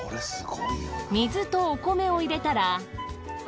水とお米を入れたら。